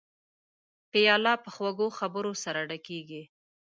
پیاله په خوږو خبرو سره ډکېږي.